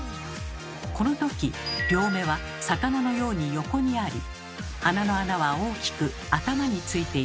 この時両目は魚のように横にあり鼻の穴は大きく頭についています。